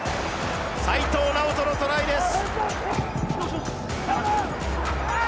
齋藤直人のトライです。